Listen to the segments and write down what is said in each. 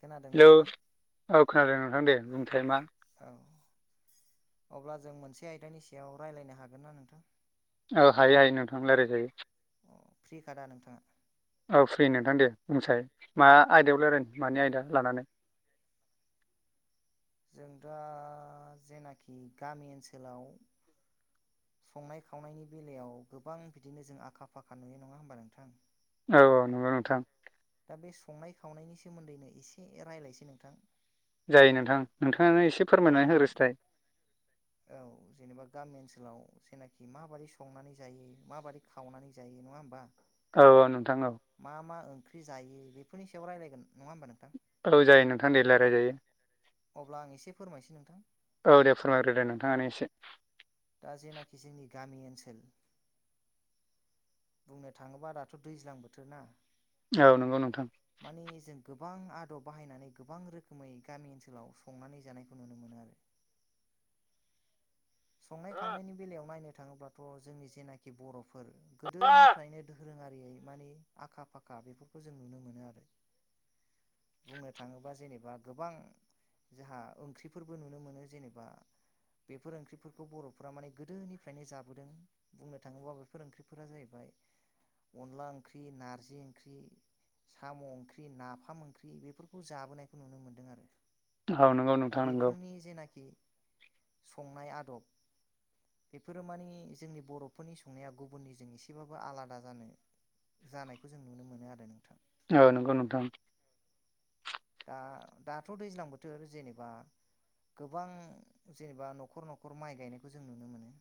खोनादोंना हेलौ नोंथां औ खोनादों नोंथां। दे बुंसाय मा औ अब्ला जों मोनसे आयदानि सायाव रायलायनो हागोन ना नोंथां? औ हायो हायो नोंथां रायलायजायो। अ फ्रि खादा नोंथाङा? औ फ्रि नोंथां दे बुंसै मा आयदायाव रायलायनो मानि आयदा लानानै? [inaudible] जों दा जेनाखि गामि ओनसोलाव संनाय खावनायनि बेलायाव गोबां बिदिनो जों आखा फाखा नुयो नङा होमबा नोंथां! औ नंगौ नोंथां। दा बे संनाय खावनायनि सोमोन्दैनो एसे रायलायसै नोंथां। जायो नों गामि औ जेनेबा गामि ओनसोलाव जेनाख माबादि संनानै जायो माबादि खावनानै जायो नङा होमबा औ औ नोंथां औ मा मा ओंख्रि जायो बेफोरनिसायाव रायलायगोन नङा होमबा नोंथां! औ जायो नोंथां दे रायलायजायो अब्ला आं एसे फोरमायसै नोंथां औ दे फोरमायग्रो दे नोंथाङानो एसे। दा जेनाखि जोंनि गामि ओनसोल बुंनो थाङोबा दाथ' दैज्लां बोथोर ना औ नंगौ नोंथां। माने जों गोबां आदब बाहायनानै गोबां रोखोमै गामि ओनसोलाव संनानै जानायखौ नुनो मोनो आरो [inaudible] संनाय खावनायनि बेलायाव नायनो थाङोब्लाथ' जोंनि जेनाखि बर' फोर गोदोनिफ्रायनो धोरोङारि रै मानि आखा फाखा बेफोरखौ जों नुनो मोनो आरो बुंनो थाङोबा जेनेबा गोबां जोंहा ओंख्रिफोरबो नुनो मोनो जेनेबा बेफोर ओंख्रि बेफोरखौ बर'फोरा माने गोदोनिफ्रायनो जाबोदों। बुंनो थाङोबा बेफोर ओंख्रिफोरा जाहैबाय अनला ओंख्रि नारजि ओंख्रि साम' ओंख्रि नाफाम ओंख्रि बेफोरखौ जाबोनायखौ नुनो मोन्दों आरो औ नंगौ दा नोंथां नंगौ। बेफोरनि जेनाखि संनाय आरो [inaudible] बेफोरो मानि जोंनि बर'फोरनि संनाया गुबुननिजों एसेबाबो आलादा जानो जानायखौ जों नुनो मोनो आरो नोंथां औ नोंगौ नोंथां। दा-दाथ' दैज्लां बोथोर जेनेबा गोबां जेनेबा न'खर न'खर माइ गायनायखौ जों नुनो मोनो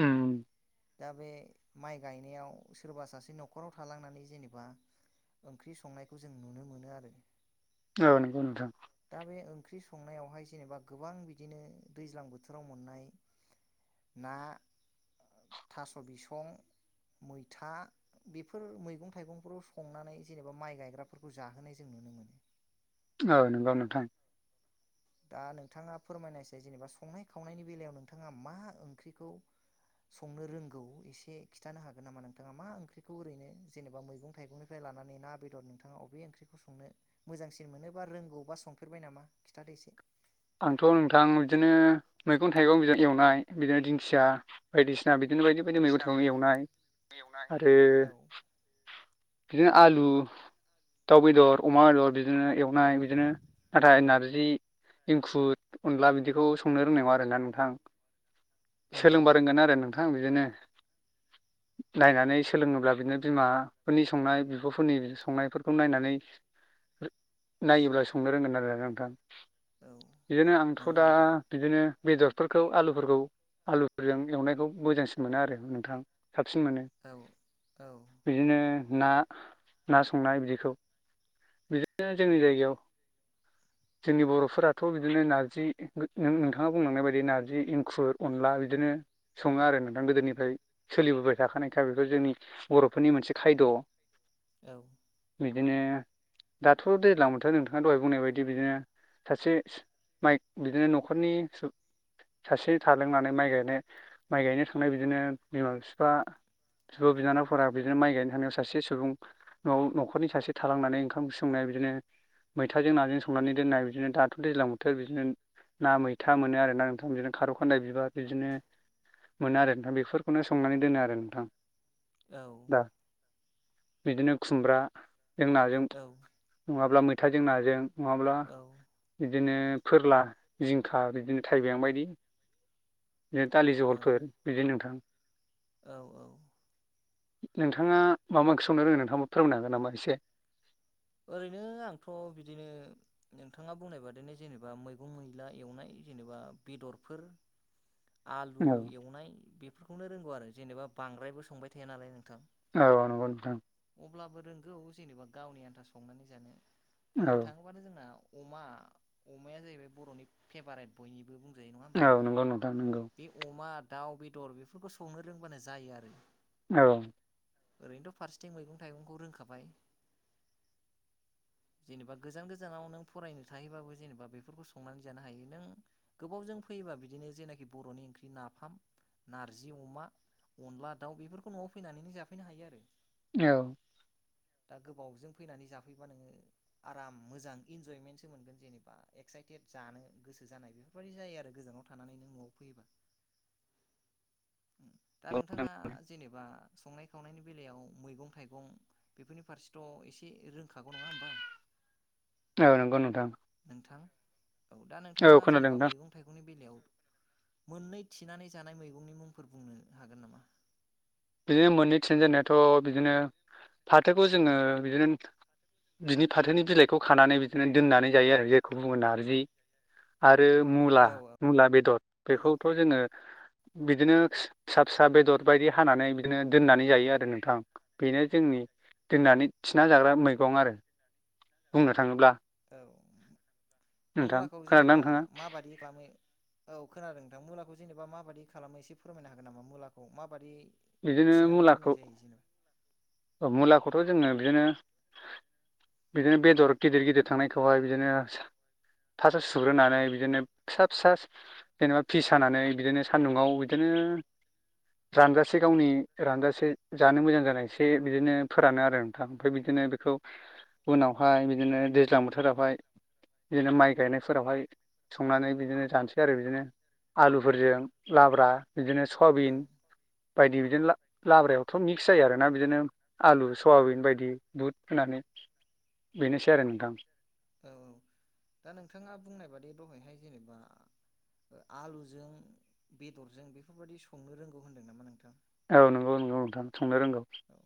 उम दा बे माइ गायनायाव सोरबा सासे न'खराव थालांनानै जेनेबा ओंख्रि संनायखौ जों नुनो मोनो आरो औ नंगौ नोंथां दा बे ओंख्रि संनायावहाय जेनेबा गोबां बिदिनो दैज्लां बोथोराव मोननाय ना थास' बिसं मैथा बेफोर मैगं थाइगंफोराव संनानै जेनेबा माइ गायग्राफोरखौ जाहोनाय जों नुनो मोनो औ नोंगौ नोंथां दा नोंथाङा फोरमायनायसै जेनेबा संनाय खावनायनि बेलायाव नोंथाङा मा ओंख्रिखौ संनो रोंगौ एसे खिन्थानो हागोन नामा नोंथाङा मा ओंख्रिखौ ओरैनो जेनेबा मैगं थाइगंनिफ्राय लानानै ना बेदर नोंथाङा अबे ओंख्रिखौ संनो मोजांसिन मोनोबा रोंगौबा संफेरबाय नामा खिथादो एसे आंथ' नोंथां बिदिनो मैगं थाइगं एवनाय बिदिनो दिंखिया बायदिसिना बि बिदिनो बायदि बायदि मैगं थाइगंखौ एवनाय आरो औ बिदिनो आलु दाउ बेदर अमा बेदर बिदिनो एवनाय बिदिनो नाथाय नारजि इंखुर अनला बिदिखौ संनो रोंनाय नङा आरोना नोंथां औ सोलोंबा रोंगोन आरो नों नोंथां बिदिनो नायनानै सोलोंनोब्ला बिदिनो बिमाफोरनि संनाय बिब'फोरनि संनायफोरखौ नायनानै नायोब्ला संनो रोंगोन आरो नोंथां। औ बिदिनो आंथ' नंगौ दा नोंथां बिदिनो बेदरफोरखौ आलुफोरखौ आलुफोरजों एवनायखौ मोजांसिन मोनो आरो नोंथां साबसिन मोनो औ बिदिनो ना ना संनाय बिदिखौ बिदिनो जोंनि जायगायाव सिनि बरफ बिदिनो नारजि नोंथाङा बुंलांनाय बायदि नारजि इंखुर अनला बिदिनो सङो आरो आरो नोंथां गोदोनिफ्राय सोलिबोबाय थाखानायखाय बेखौ जोंनि बर'फोरनि मोनसे खायद' बिदिनो दाथ' दैज्लां बोथोर नोंथाङा दहाय बुंनाय बायदि बिदिनो सासे माइ बिदिनो न'खरनि सासे थालांनानै माइ गायनाय माइ गायनो थांनाय बिदिनो बिमा बिफा बिब' बिनानावफोरा बिदिनो माइ गायनो थानायाव सासे सुबुं न'आव न'खरनि सासे थालांनानै ओंखाम संनाय बिदिनो मैथाजों नाजों संनानै दोननाय बिदिनो दा दैज्लां बोथोर बिदिनो ना मैथा मोनो आरो ना नोंथां बिदिनो खार' खानदाय बिबार बिदिनो मोनो आरो नोंथां बेफोरखौनो संनानै दोनो आरो नोंथां औ दा बिदिनो खुमब्राजों नाजों औ नङाब्ला मैथाजों नाजों माब्ला बिदिनो फोरला जिंखा बिदिनो थाइबें बायदि बिदिनो दालि जहलफोर बिदि नोंथां औ औ नोंथाङा माबा ओंखि संनो रोंङो नोंथाङा फोरोंनो हागोन नामा एसे? ओरैनो आंथ' बिदिनो नोंथाङा बुंनाय बादिनो जेनेबा मैगं मैला एवनाय जेनेबा बेदरफोर [inaudible] आलु एवनाय बेफोरखौनो रोंगौ आरो जेनेबा बांद्रायबो संबाय थाया नालाय नोंथां। औ नंगौ नोंथां। अब्लाबो रोंगौ जेनेबा गावनि आन्था संनानै जानो औ बुंनो थाङोबानो जोंना अमा अमाया जाहैबाय बर'नि फेभारेट बयनिबो बुं बुंजायो नङा होमबा औ नोंथां नंगौ नंगौ बे अमा दाउ बेदर बेफोरखौ संनो रोंबानो जायो आरो। औ ओरैनोथ' फारसेथिं मैगं थाइगंखौ रोंखाबाय [inaudible] जेनेबा गोजान गोजानाव नों फरायनो थायोबाबो जेनेबा बेफोरखौ संनानै जानो हायो नों गोबाव ज फैयोबा बिदिनो जेनाखि बर'नि ओंख्रि नाफाम नारजि अमा अनला दाउ बेफोरखौ न'आव फैनानैनो जाफैनो हायो आरो औ दा गोबावजों फैनानै जाफैबा नोङो आराम मोजां इनजयमेन्टसो मोनगोन जेनेबा एक्साइटेड जानो गोसो गोसो जानाय बेफोरबायाददि जायो आरो गोजानाव थानानै नों नआव फैयोबा [inaudible] दा नोंथाङा जेनेबा संनाय खावनायनि बेलायाव मैगं थाइगं बेफोरनि फारसेथ एसे एसे रोंखागौ नङा होमबा औ नंगौ नोंथां नोंथां औ दा औ नोंथाङा खोनादों जेनेबा नोंथां मैगं थाइगंनि बेलायाव मोननै थिनानै जानाय मैगंनि मुंफोर बुंनो हागोन नामा बिदिनो मोननै थिनानै जानायाथ बिदिनो फाथोखौ जोङो बिदिनो बिनि फाथोनि बिलाइखौ खानानै बिदिनो दोननानै जायो आरो जेखौ बुङो नारजि आ आरो मुला औ मुला बेदर औ बेखौथ जोङो बिदिनो फिसा फिसा बेदर बायदि हानानै बिदिनो दोननानै जायो आरो नोंथां बेनो जोंनि दोननानै थिना जाग्रा मैगं आरो बुंनो थाङोब्ला औ नोंथां मुलाखौ खोनादोंना जेनेबा नोंथाङा माबादि खालामो औ खोनादों नोंथां मुलाखौ जेनेबा माबादि खालामो एसे फोरमायनो हागोन नामा मुलाखौ माबायदि बिदिनो मुलाखौ मुलाखौथ जोङो बिदिनो बिदिनो बेदर गिदिर गिदिर थांनायखौहाय बिदिनो फासआव सुग्रोनानै बिदिनो फिसा फिसा जेनेबा फिस हानानै बिदिनो सान्दुंङाव बिदिनो जान्द [unintelligible] एसे गावनि रानजासे जानो मोजां जानाय एसे बिदिनो फोरानो आरो नोंथां ओमफ्राय बिदिनो बेखौ उनावहाय बिदिनो दैज्लां बोथोरावहाय बिदिनो माइ गायनायफोरावहाय संनानै बिदिनो जानोसै आरो बिदिनो आलुफोरजों लाब्रा बिदिनो औ सवाबिन बायदि लाब्रयावथ मिक्स जायो आरो ना बिदिनो आलु सयाबिन बायदि दुध होनानै बेनोसै आरो नोंथां औ औ दा नोंथाङा बुंनाय बादि दहाय हाय जेनेबा आलुजों बेदरजों बेफोरबायदि संनो रोंगौ होनदों नामा नोंथां औ नंगौ नंगौ नोंथां संनो रोंगौ औ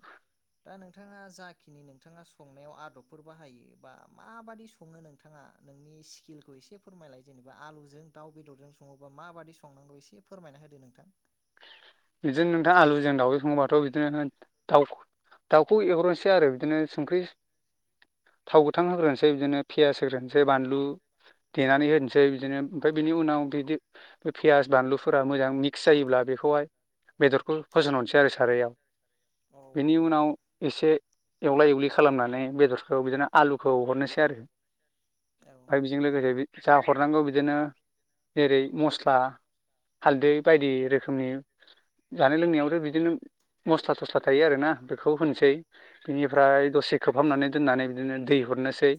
दा नोंथाङा जाखिनि नोंथाङा संनायाव आदबफोर बाहायो बा माबादि सङो नोंथाङा स्किलखौ एसे फोरमायलाय जेनेबा आलुजों दाउ बेदरजों सङोबा माबायदि संनांगौ एसे फोरमायना होदो नोंथां बिदिनो नोंथां आलुजों दाउजों सङोबाथ बिदिनो दाउ दाउखौ एवग्रोनोसै आरो बिदिनो संख्रि थाव गोथां होग्रोनोसै बिदिनो पियास होग्रोनोसै बानलु देनानै होनोसै बिदिनो ओमफ्राय बिनि उनाव बिदि पियास बानलुफोरा मोजां मिक्स जायोब्ला बेखौहाय बेदरखौ फजनहरनोसै आरो सारयाव औ बेनि औ उनाव एसे एवला एवलि खालामनानै बेदरखौ बिदिनो आलुखौ हरनोसै आरो औ ओमफ्राय बेजों लोगोसे जा हरनांगौ बिदिनो जेरै मस्ला हालदै बायदि रोखोमनि जानाय लोंनायावथ बिदिनो मस्ला थस्ला थायो आरोना बेखौ होनोसै बिनिफ्राय दसे खोबहाबनानै दोननानै बिदिनो दै हरनोसै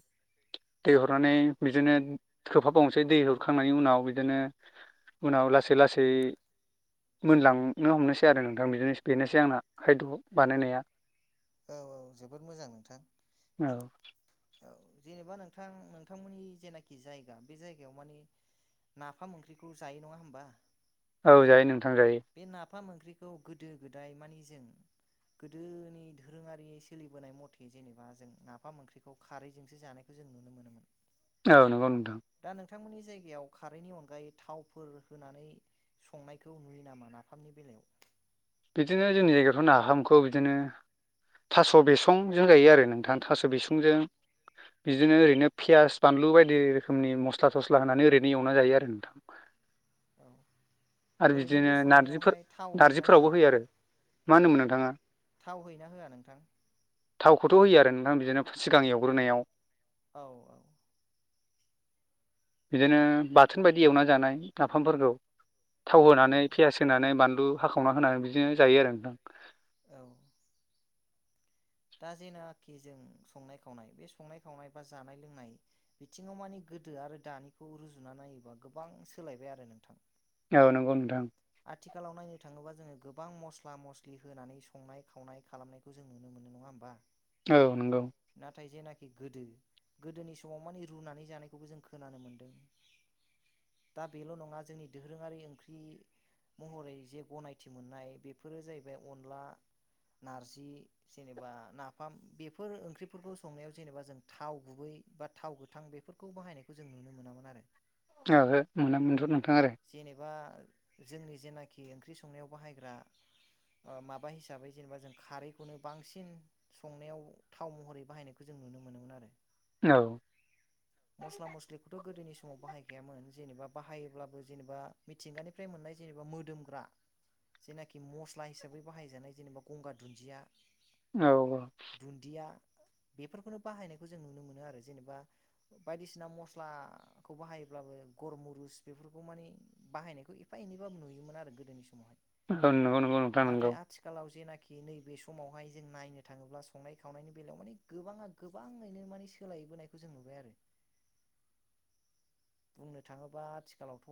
दै हरनानै बिदिनो खोबहाबावनोसै दै हरखांनायनि उनाव बिदिनो उनाव लासै लासै मोनलांनो हमनोसै आरो नोंथां बिदिनो बेनोसै आंना खायद बानायनाया औ औ जोबोद मोजां नोंथां औ औ जेनेबा नोंथां नोंथांमोननि जेनाखि जायगा बे जायगायाव मानि नाफाम ओंख्रिखौ जायो नङा होमबा औ जायो नोंथां जायो ओंखाम-ओंख्रिखौ गोदो गोदाय मानि जों गोदोनि दोरोङारि सोलिबोनाय मथे जेनेबा जों नाफाम ओंख्रिखौ खारैजोंसो जानायखौ जों नुनो मोनोमोन औ नंगौ नोंथां। [unintelligible] संनायखौ नुयो नामा नाफामनि बेलायाव? बिदिनो जोंनि जायगाफ्राव नाफामखौ बिदिनो थास' बिसंजों जायो आरो नोंथां थास' बिसंजों। बिदिनो ओरैनो पियास बानलु बायदि रोखोमनि मस्ला-थस्ला होनानै ओरैनो एवना जायो आरो नोंथां। औ ओरैनो बे संनायावहाय थाव होयो ना? फोरावबो होयो आरो मा होनोदोंमोन नोंथाङा थाव होयोना होआ नोंथां थाव खौथ' होयो आरो नोंथां बिदिनो सिगां एवग्रोनायाव। औ औ। बिदिनो बाथोन बायदि एवनानै जानाय नाफामफोरखौ। थाव औ होनानै पियास होनानै बानलु हाखावना होनानै बिदिनो जायो आरो नोंथां। औ। दा जेनाखि जों संनाय-खावनाय बे संनाय-खावनाय बा जानाय लोंनाय बिथिङाव मानि गोदो आरो दानिखौ रुजुना नायोबा गोबां सोलायबाय आरो नोंथां। औ नंगौ नोंथां। आथिखालाव नायनो थाङोबा जोङो गोबां मस्ला- मस्लि होनानै संनाय-खावनाय खालामनायखौ जों नुनो मोनो। नङा होमबा? औ नंगौ। नाथाय जेनाखि गोदो गोदोनि समाव मानि रुनानै जानायखौबो जों खोनानो मोनदों। दा बेल' नङा जोंनि दोरोङारि ओंख्रि महरै जे गनायथि मोननाय बेफोरो जाहैबाय अनला, नारजि जेनेबा नाफाम बेफोर ओंख्रिफोरखौ संनायाव जेनेबा जों थाव गुबै बा थाव गोथां बेफोर खौ बाहायनायखौ जों नुनो मोनामोन आरो। [unintelligible] जेनेबा जोंनि जेनाखि ओंख्रि संनायाव बाहायग्रा। ओ माबा हिसाबै जेनेबा जों खारैखौनो बांसिन संनायाव थाव महरै बाहायनायखौ जों औ। मस्ला-मस्लिखौथ' गोदोनि समाव बाहायखायामोन जेनेबा बाहायोब्लाबो जेनेबा मिथिंगानिफ्राय मोननाय जेनेबा मोदोमग्रा। जेनाखि मस्ला हिसाबै बाहायजानाय जेनेबा गंगार दुन्दिया। औ औ दुन्दिया बेफोरखौनो बाहायनायखौ जों नुनो मोनो आरो जेनेबा बायदिसिना मस्लाखौ बाहायोब्लाबो गरमुरुस बेफोरखौ माने बाहायनायखौ एफा एनैबाबो नुयोमोन आरो गोदोनि समावहाय। हो नोंगौ नोंगौ नोंथां नाथाय नोंगौ। आथिखालाव जेनाखि नैबे समावहाय जों नायनो थाङोब्ला संनाय खावनायनि बेलायाव माने गोबाङा गोबाङैनो माने सोलाय बोनायखौ जों नुबाय आरो। [inaudible] बुंनो थाङोबा आथिखालावथ'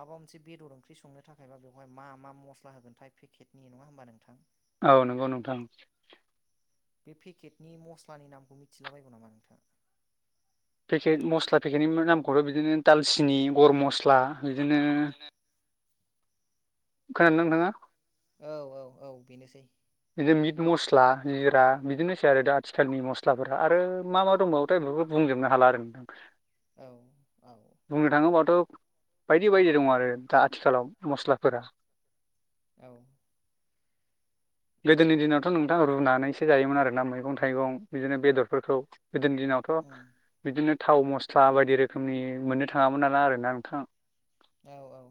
माबा मोनसे बेदर ओंख्रि संनो थाखायबा बेवहाय मा मा मस्ला होगोनथाय पेकेटनि नङा होमबा नोंथां? औ नंगौ नोंथां। बे पेकेटनि मस्लानि नामखौ मिथिला बायगौ नामा नोंथां? पेकेट मस्ला पेकेटनि नामखौथ' बिदिनो दालसिनि, गरम मस्ला बिदिनो खोनादों ना नोंथाङा? औ औ औ बेनोसै। बिदिनो मिट मस्ला, जिरा बिदिनोसै आरो दा आथिखालनि मस्लाफोरा आरो मा मा दंबावोथाय खौबो बुंजोबनो हाला आरो नोंथां। औ औ। बायदि-बायदि दङ आरो दा आथिखालाव मस्लाफोरा। औ। गोदोनि दिनावथ' नोंथां रुनानैसो जायोमोन आरोना मैगं थाइगं बिदिनो बेदरफोरखौ गोदोनि दिनाव थ' उम बिदिनो थाव मस्ला बायदि रोखोमनि मोननो थाङामोन नाला आरोना नोंथां औ-औ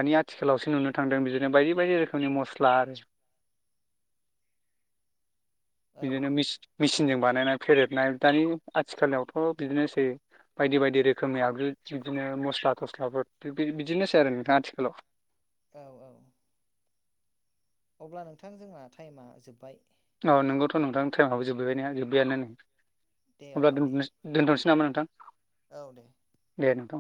दानि आथिखालावसो नुनो थांदों बिदिनो बायदि बायदि रोखोमनि मस्ला आरो औ बिदिनो मिस- मिस सिनजों बानायनाय फेदेरदनाय दानि आथिखालावथ' बिदिनोसै बायदि-बायदि रोखोमनि आगजु बिदिनो मस्ला-थस्लाफोर थिक बिदिनोसै आरो नोंथां आथिखालाव औ-औ अब्ला नोंथां जोंना टाइमा जोब्बाय औ नोंगौथ' नोंथां टाइमाबबो जोब्बायना जोब्बायआनो नै दे अब्ला दे दोननोसै दोन्थ'नोसै नामा नोंथां औ दे दे नोंथां